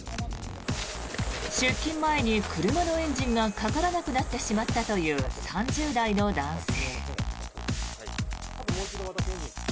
出勤前に車のエンジンがかからなくなってしまったという３０代の男性。